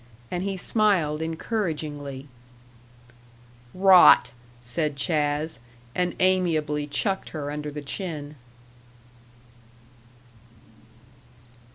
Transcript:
And he smiled encouragingly. "Rot," said Chas., and amiably chucked her under the chin.